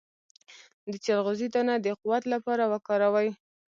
د چلغوزي دانه د قوت لپاره وکاروئ